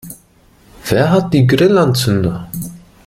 Wer hat die Grillanzünder?